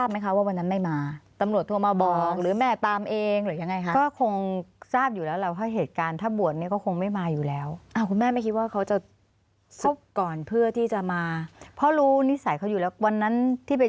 พนักงานสอบสวนทำให้เสียทรัพย์นั้นทราบจากแม่น้องบอยว่าพนักงานสอบสวนทำให้เสียทรัพย์นั้นทราบ